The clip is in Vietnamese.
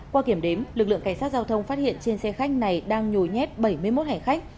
qua kiểm đếm lực lượng cảnh sát giao thông phát hiện trên xe khách này đang nhồi nhét bảy mươi một hành khách